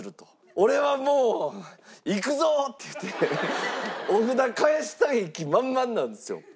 「俺はもう行くぞ！」って言ってお札返したい気満々なんですよ。